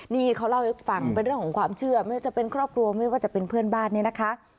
นี่เขาเล่าให้ฟังเป็นเรื่องของความเชื่อไม่ว่าจะเป็นครอบครัวไม่ว่าจะเป็นเพื่อนบ้านเนี่ยนะคะ